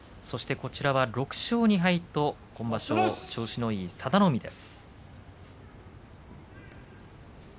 ６勝２敗と今場所調子のいい佐田の海です。